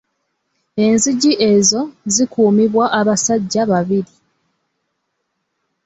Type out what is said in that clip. Enzigi ezo zikuumibwa abasajja babiri.